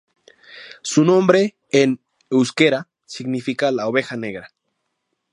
Su nombre en euskera significa "La oveja negra".